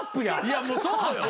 いやもうそうよ。